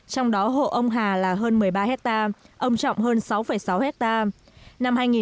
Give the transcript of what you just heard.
trong đó hộ ông hà là hơn một mươi ba hectare ông trọng hơn sáu sáu hectare